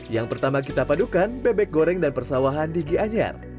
yang pertama kita padukan bebek goreng dan persawahan di gianyar